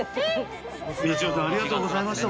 「道代さんありがとうございました」